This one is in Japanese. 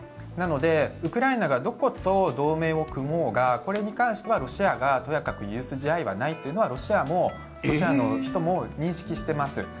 なので、ウクライナがどこと同盟を組もうがこれに関してはロシアがとやかく言う筋合いはないというのはロシアもロシアの人も認識しています。